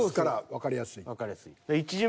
わかりやすい。